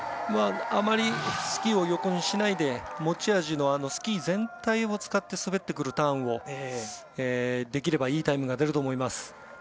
あまりスキーを横にしないで持ち味のスキー全体を使って滑ってくるターンができればいいタイムが出ると思います。